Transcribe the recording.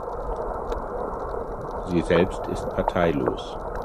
Sie selbst ist parteilos.